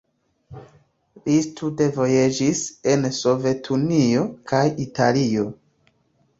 Li studvojaĝis en Sovetunio kaj Italio.